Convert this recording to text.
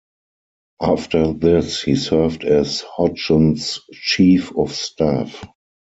After this, he served as Hodgson's chief of staff.